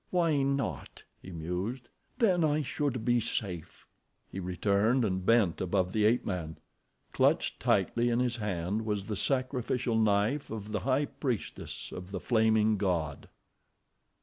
"Why not?" he mused. "Then I should be safe." He returned and bent above the ape man. Clutched tightly in his hand was the sacrificial knife of the High Priestess of the Flaming God!